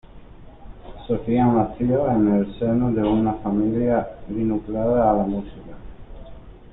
Sofía nació en el seno de una familia vinculada a la música.